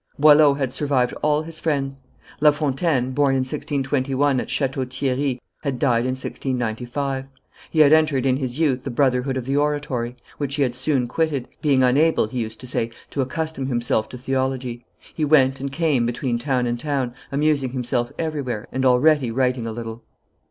Boileau had survived all his friends. La Fontaine, born in 1621 at Chateau Thierry, had died in 1695. He had entered in his youth the brotherhood of the Oratory, which he had soon quitted, being unable, he used to say, to accustom himself to theology. He went and came between town and town, amusing himself everywhere, and already writing a little.